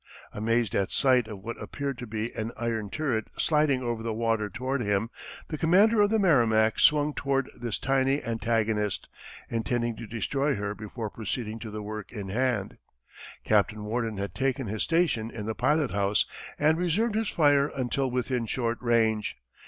Amazed at sight of what appeared to be an iron turret sliding over the water toward him, the commander of the Merrimac swung toward this tiny antagonist, intending to destroy her before proceeding to the work in hand. Captain Worden had taken his station in the pilot house, and reserved his fire until within short range.